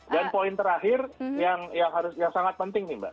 dan poin terakhir yang sangat penting nih mbak